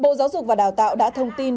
bộ giáo dục và đào tạo đã thông tin